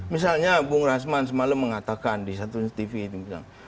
misalnya bung rasman semalam mengatakan di satu tv itu